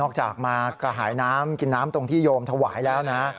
จากมากระหายน้ำกินน้ำตรงที่โยมถวายแล้วนะ